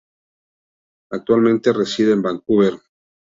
Actualmente reside en Vancouver.